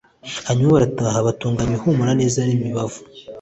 Hanyuma barataha, batunganya ibihumura neza n'imibavu,